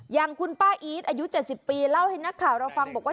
อย่างคุณป้าอีทอายุ๗๐ปีเล่าให้นักข่าวเราฟังบอกว่า